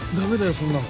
そんなの。